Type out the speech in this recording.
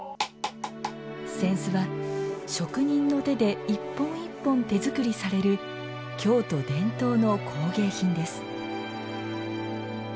扇子は、職人の手で一本一本手作りされる京都伝統の工芸品です。